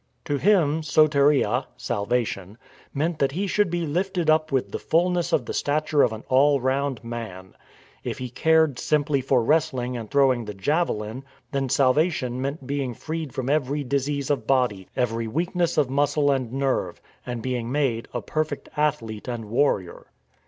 To him " soteria " (salvation) meant that he should be lifted up with the fullness of the stature of an all round man. If he cared simply for wrestling and throwing the javelin, then salvation meant being freed from every disease of body, every weakness of muscle and nerve, and being made a perfect athlete and warrior.